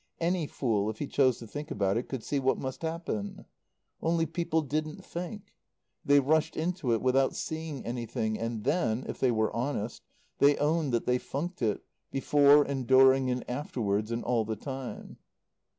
Any fool, if he chose to think about it, could see what must happen. Only people didn't think. They rushed into it without seeing anything; and then, if they were honest, they owned that they funked it, before and during and afterwards and all the time.